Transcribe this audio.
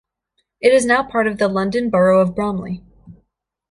It is now part of the London Borough of Bromley.